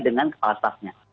dengan kepala staffnya